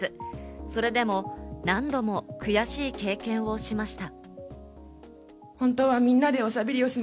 それでも何度も悔しい経験をしました。